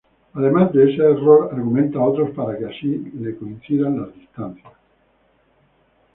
Además de ese error argumenta otros para que así le coincidan las distancias.